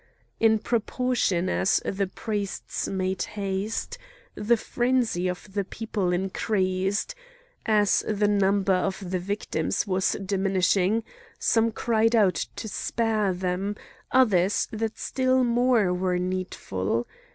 In proportion as the priests made haste, the frenzy of the people increased; as the number of the victims was diminishing, some cried out to spare them, others that still more were needful.